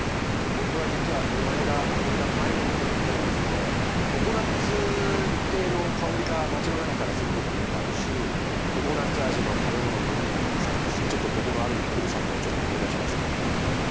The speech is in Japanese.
僕は実は生まれがアメリカのマイアミというところなんですけどココナツ系の香りが街の中からすることもよくあるしココナツ味の食べ物飲み物もたくさんあるしちょっと僕のある意味ふるさとをちょっと思い出しますね。